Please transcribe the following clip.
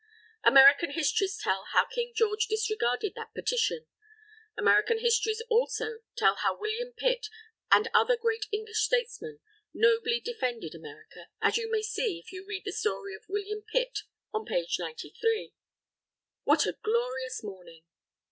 American histories tell how King George disregarded that Petition. American histories, also, tell how William Pitt and other great English statesmen, nobly defended America, as you may see if you read the story of William Pitt, on page 93. WHAT A GLORIOUS MORNING!